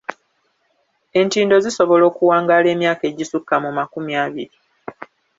Entindo zisobola okuwangaala emyaka egisukka mu makumi abiri.